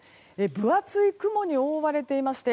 分厚い雲に覆われていまして